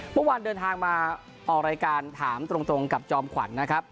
เมื่อวานเดินทางมาออกรายการถามตรงกับจอมขวัญนะครับ